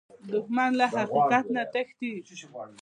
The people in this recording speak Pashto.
دښمن له حقیقت نه تښتي